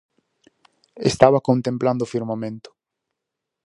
Estaba contemplando o firmamento.